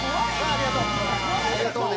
ありがとうね。